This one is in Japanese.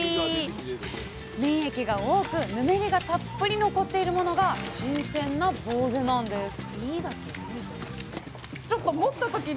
粘液が多くぬめりがたっぷり残っているものが新鮮なぼうぜなんです